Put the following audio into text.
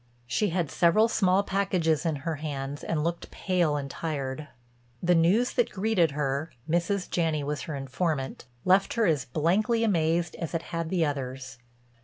She had several small packages in her hands and looked pale and tired. The news that greeted her—Mrs. Janney was her informant—left her as blankly amazed as it had the others.